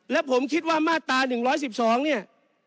และผมคิดว่ามาตรา๑๑๒เนี่ย